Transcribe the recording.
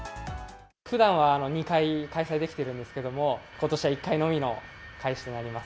ふだんは２回開催できてるんですけれども、ことしは１回のみの開催となります。